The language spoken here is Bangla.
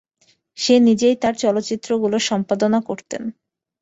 তিনি নিজেই তার চলচ্চিত্রগুলো সম্পাদনা করতেন।